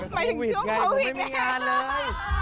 หมายถึงช่วงโควิดไงผมไม่มีงานเลย